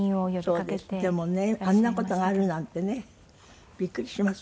でもねあんな事があるなんてねびっくりします